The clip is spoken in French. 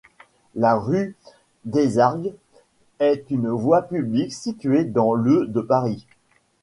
La rue Desargues est une voie publique située dans le de Paris.